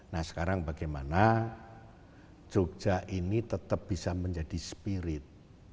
nah sekarang bagaimana jogja ini tetap bisa menjadi spirit